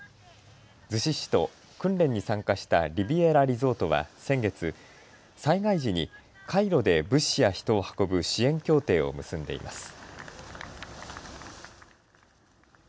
逗子市と訓練に参加したリビエラリゾートは先月、災害時に海路で物資や人を運ぶ支援協定を結んでいます。